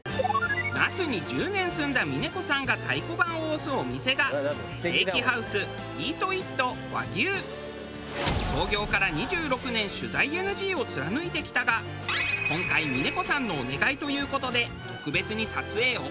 那須に１０年住んだ峰子さんが太鼓判を押すお店がステーキハウス創業から２６年取材ＮＧを貫いてきたが今回峰子さんのお願いという事で特別に撮影オーケー。